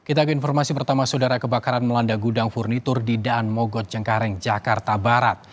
kita ke informasi pertama saudara kebakaran melanda gudang furnitur di daan mogot cengkareng jakarta barat